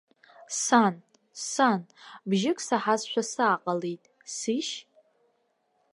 Сан, сан, бжьык саҳазшәа сааҟалеит, сишь!